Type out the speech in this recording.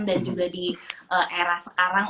dan juga di era sekarang